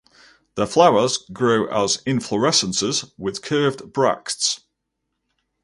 The flowers grow as inflorescences with curved bracts.